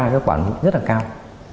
ba cái quả núi rất là cao